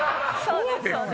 そうです